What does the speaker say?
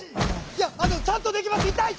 いやちゃんとできますいたい！